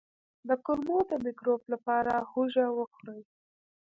د کولمو د مکروب لپاره هوږه وخورئ